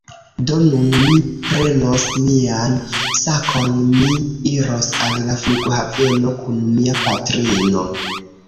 Do nun mi prenos mian sakon. Mi iros al la flughaveno kun mia patrino